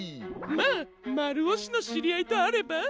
まあまるおしのしりあいとあれば。